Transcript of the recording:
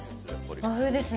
和風ですね。